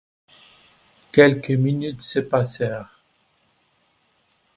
Quelques minutes se passèrent.